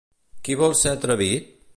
Qui sol ser atrevit?